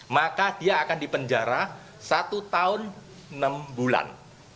maka dia akan dipenjara satu tahun enam bulan